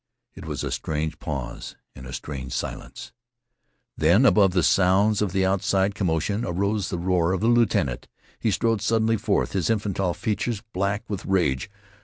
It was a strange pause, and a strange silence. Then, above the sounds of the outside commotion, arose the roar of the lieutenant. He strode suddenly forth, his infantile features black with rage.